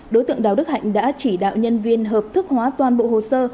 đối tượng đào đức hạnh đã chỉ đạo nhân viên hợp thức hóa toàn bộ hồ sơ